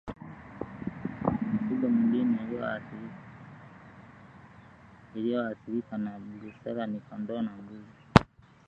Mifugo mingine inayoathirika na Brusela ni kondoo na mbuzi